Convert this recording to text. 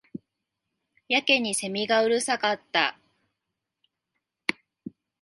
やけに蝉がうるさかった